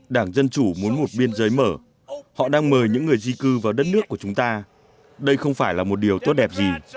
đảng dân chủ muốn một biên giới mở họ đang mời những người di cư vào đất nước của chúng ta đây không phải là một điều tốt đẹp gì